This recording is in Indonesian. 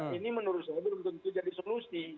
dan ini menurut saya itu tentu jadi solusi